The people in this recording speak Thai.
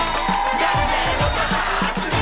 นั่นแหละรถมหาสนุก